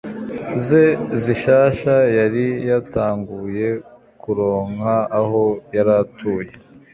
ze zishasha yari yatanguye kuronka aho yaratuye……